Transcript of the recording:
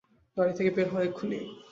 গাড়ি থেকে বের হও, এক্ষুণি!